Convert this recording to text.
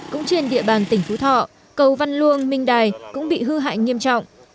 cũng trên địa bàn tỉnh phú thọ cầu văn luông minh đài cũng bị hư hại nghiêm trọng